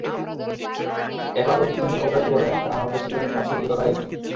এবারও যদি অগ্রাহ্য করে, তাহলে যেন সে তার সঙ্গে লড়াই করে।